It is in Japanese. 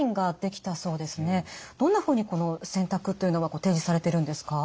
どんなふうにこの選択というのが提示されてるんですか？